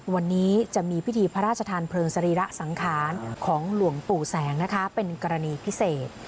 วันนี้จะมีพิธีพระราชทานเพลิงสรีระสังขารของหลวงปู่แสงนะคะเป็นกรณีพิเศษ